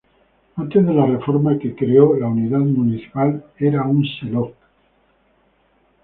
Antes de la reforma que creó la unidad municipal era un "seló".